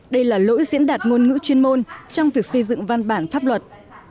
đây là lỗi diễn đạt ngôn ngữ chuyên môn trong việc xây dựng văn bản pháp luật